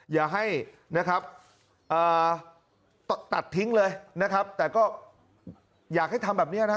อย่าให้นะครับตัดทิ้งเลยนะครับแต่ก็อยากให้ทำแบบนี้นะ